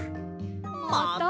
また！？